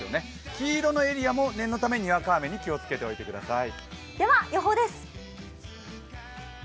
黄色のエリアも念のためににわか雨に気をつけておいてください。